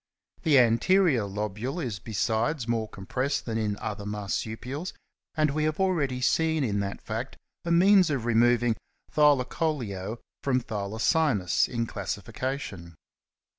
The anterior lobule is besides more compressed than in other Marsupials, and we have already seen in that fact a means of removing Thylacoleo from Thylacinus in classi fication.